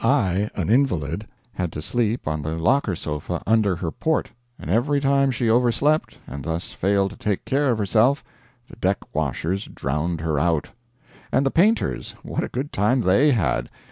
I., an invalid, had to sleep on the locker sofa under her port, and every time she over slept and thus failed to take care of herself, the deck washers drowned her out. And the painters, what a good time they had!